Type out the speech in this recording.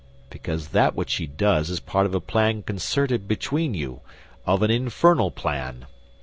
"Because that which she does is part of a plan concerted between you—of an infernal plan."